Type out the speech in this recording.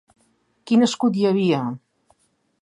Quin escut hi havia?